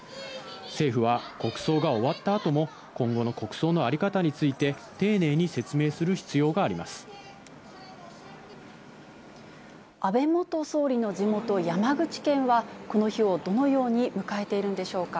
政府は国葬が終わったあとも、今後の国葬の在り方について、安倍元総理の地元、山口県は、この日をどのように迎えているんでしょうか。